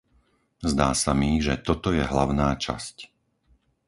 Zdá sa mi, že toto je hlavná časť.